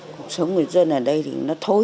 cuộc sống người dân này là một cuộc sống rất tốt